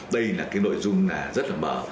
đây là cái nội dung rất là mở